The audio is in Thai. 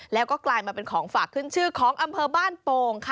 แล้วก็กลายมาเป็นของฝากขึ้นชื่อของอำเภอบ้านโป่งค่ะ